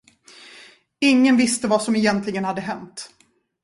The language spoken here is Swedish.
Ingen visste vad som egentligen hade hänt.